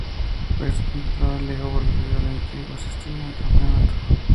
Esa temporada la liga volvió al antiguo sistema de campeonato de primavera y otoño.